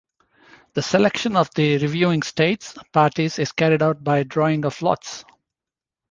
The selection of the reviewing States parties is carried out by drawing of lots.